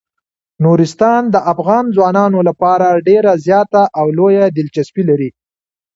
نورستان د افغان ځوانانو لپاره ډیره زیاته او لویه دلچسپي لري.